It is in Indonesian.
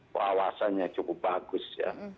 keawasannya cukup bagus ya